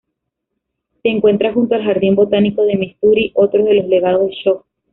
Se encuentra junto al Jardín Botánico de Missouri, otro de los legados de Shaw.